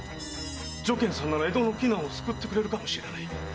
如見さんなら江戸の危難を救ってくれるかもしれない。